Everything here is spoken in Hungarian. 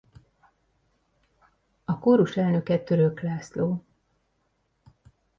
A kórus elnöke Török László.